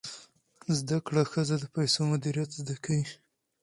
زده کړه ښځه د پیسو مدیریت زده کوي.